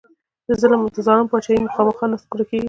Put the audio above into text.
د ظلم بادچاهي خامخا نسکوره کېږي.